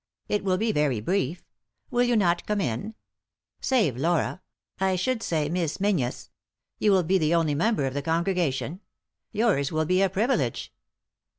It will be very brief. Will you not come in ? Save Laura — I should say, Miss Menzies — you will be the only member of the congregation. Yours will be a privilege."